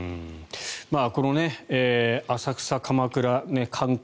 この浅草、鎌倉の観光